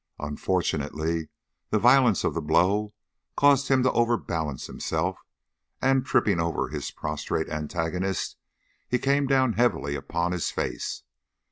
Unfortunately, the violence of the blow caused him to overbalance himself, and, tripping over his prostrate antagonist, he came down heavily upon his face.